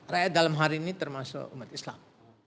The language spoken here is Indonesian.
rakyat dalam hari ini termasuk umat islam